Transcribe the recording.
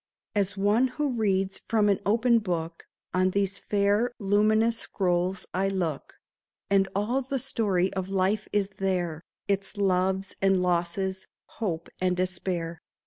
As one who reads from an open book, On these fair luminous scrolls I look ; And all the story of life is there — Its loves and losses, hope and despair.